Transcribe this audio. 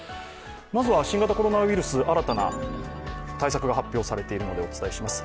まずは新型コロナウイルス、新たな対策が発表されているのでお伝えします。